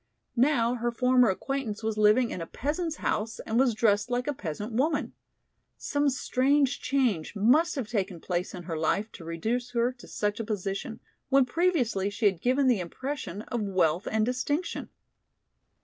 Now her former acquaintance was living in a peasant's house and was dressed like a peasant woman. Some strange change must have taken place in her life to reduce her to such a position, when previously she had given the impression of wealth and distinction.